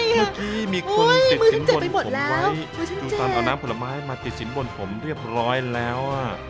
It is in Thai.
ไม่มือชั้นเจ็ดไปหมดแล้ว